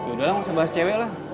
udah lah gak usah bahas cewek lah